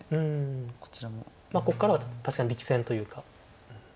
まあここからは確かに力戦というか。